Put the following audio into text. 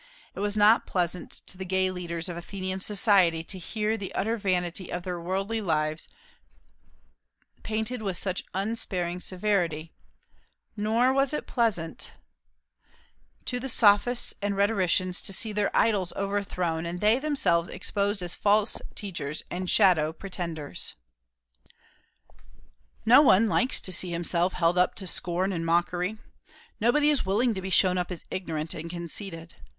It was not pleasant to the gay leaders of Athenian society to hear the utter vanity of their worldly lives painted with such unsparing severity, nor was it pleasant to the Sophists and rhetoricians to see their idols overthrown, and they themselves exposed as false teachers and shallow pretenders. No one likes to see himself held up to scorn and mockery; nobody is willing to be shown up as ignorant and conceited.